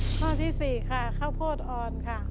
ข้อที่๔ค่ะข้าวโพดอ่อนค่ะ